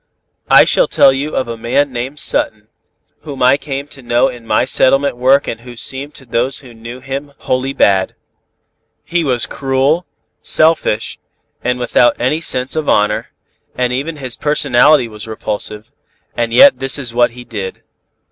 I shall tell you of a man named Sutton, whom I came to know in my settlement work and who seemed to those who knew him wholly bad. He was cruel, selfish, and without any sense of honor, and even his personality was repulsive, and yet this is what he did.